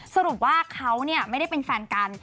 สรุปว่าเขาไม่ได้เป็นแฟนกัน